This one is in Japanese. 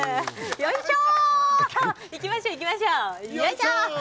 よいしょー！